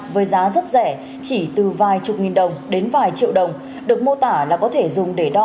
với giá rất rẻ chỉ từ vài chục nghìn đồng đến vài triệu đồng được mô tả là có thể dùng để đo